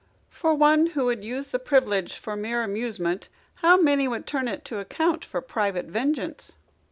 For one who would use the privilege for mere amusement, how many would turn it to account for private vengeance."